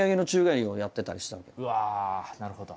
うわなるほど。